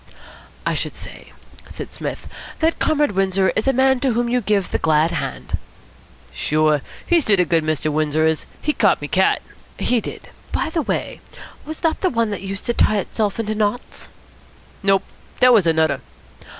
"I should say," said Psmith, "that Comrade Windsor is a man to whom you give the glad hand." "Sure. He's to the good, Mr. Windsor is. He caught me cat." "He did. By the way, was that the one that used to tie itself into knots?" "Nope. Dat was anudder."